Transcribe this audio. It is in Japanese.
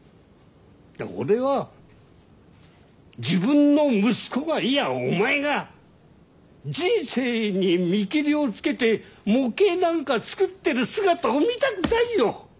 俺は自分の息子がいやお前が人生に見切りをつけて模型なんか作ってる姿を見たくないよ！